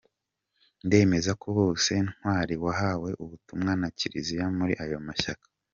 Ndemeza ko bose ntawari wahawe ubutumwa na Kiliziya muri ayo mashyaka.